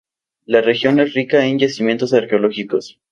La región es rica en yacimientos arqueológicos.